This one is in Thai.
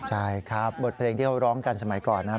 ใช่ครับบทเพลงที่เขาร้องกันสมัยก่อนนะครับ